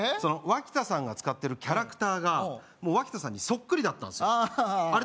脇田さんが使ってるキャラクターが脇田さんにそっくりだったんすよああ